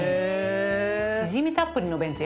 しじみたっぷりの弁当